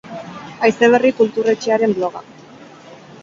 Haize Berri kultur etxearen bloga.